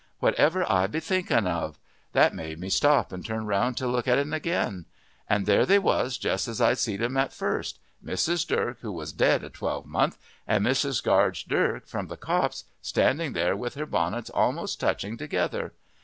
Whatever be I thinking of? That made me stop and turn round to look at 'n agin. An' there they was just as I see'd 'n at first Mrs. Durk, who was dead a twelvemonth, an' Mrs. Gaarge Durk from the copse, standing there with their bonnets a'most touching together.